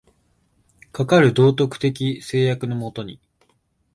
かかる道徳的制約の下に、